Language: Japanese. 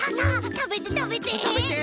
たべてたべて！